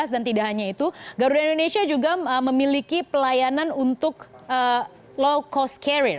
dan tidak hanya itu garuda indonesia juga memiliki pelayanan untuk low cost carrier